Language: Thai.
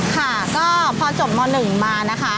ค่ะก็พอจบม๑มานะคะ